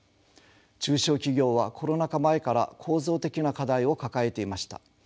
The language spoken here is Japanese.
中小企業はコロナ禍前から構造的な課題を抱えていました。